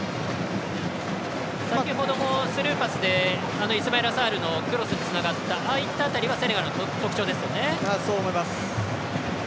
先ほどもスルーパスでイスマイラ・サールのクロスにつながったああいったところはセネガルの特徴ですよね。